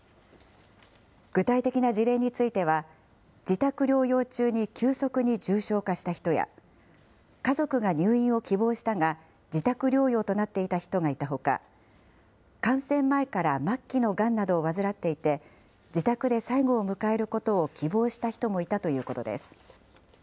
具体的な事例については、自宅療養中に急速に重症化した人や、家族が入院を希望したが自宅療養となっていた人がいたほか、感染前から末期のがんなどを患っていて、自宅で最期を迎えることを希望した人もいたということです。